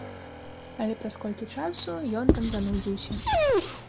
Але праз колькі часу ён там занудзіўся.